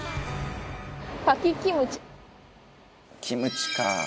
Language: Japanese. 「キムチか。